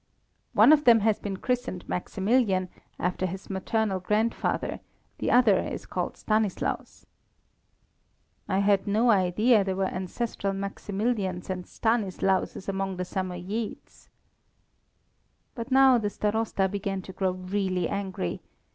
"One of them has been christened Maximilian, after his maternal grandfather; the other is called Stanislaus." "I had no idea there were ancestral Maximilians and Stanislauses among the Samoyedes." But now the Starosta began to grow really angry.